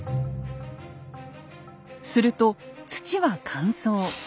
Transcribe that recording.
すると土は乾燥。